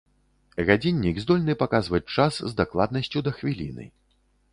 Гадзіннік здольны паказваць час з дакладнасцю да хвіліны.